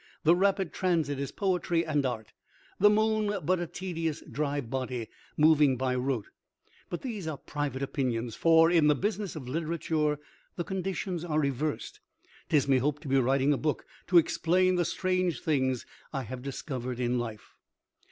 The rapid transit is poetry and art: the moon but a tedious, dry body, moving by rote. But these are private opinions, for, in the business of literature, the conditions are reversed. 'Tis me hope to be writing a book to explain the strange things I have discovered in life."